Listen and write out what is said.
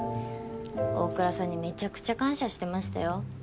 大倉さんにめちゃくちゃ感謝してましたよ。